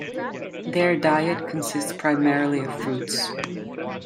Their diet consists primarily of fruits.